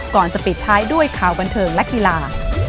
ก่อนจะปิดท้ายด้วยข่าวบันเทิงและกีฬา